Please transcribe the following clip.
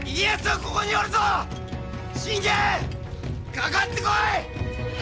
かかってこい！